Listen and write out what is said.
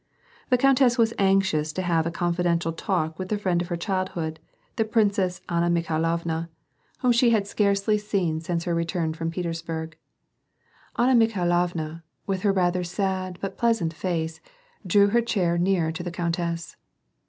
The countess was anxious to have a confidential talk with the friend of her childhood, the Princess Anna Mikhailovna, / 52 WAR AND PEACE. whom she had scarcely seen since her retnm from Petersburg. Anna Mikhailovna, with her rather sad, but pleasant face, drew her chair nearer to the countess.